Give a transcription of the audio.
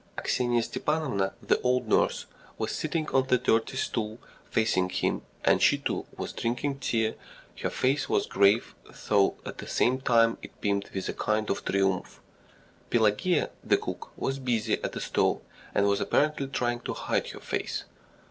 Aksinya Stepanovna, the old nurse, was sitting on the dirty stool facing him, and she, too, was drinking tea. Her face was grave, though at the same time it beamed with a kind of triumph. Pelageya, the cook, was busy at the stove, and was apparently trying to hide her face.